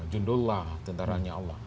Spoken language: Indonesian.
jundullah tentaranya allah